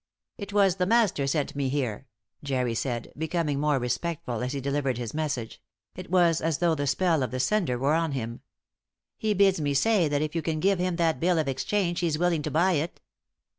"It was the master sent me here," Jerry said, becoming more respectful as he delivered his message; it was as though the spell of the sender were on him. "He bids me say that if you can give him that bill of exchange, he's willing to buy it."